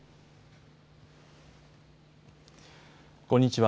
こんにちは。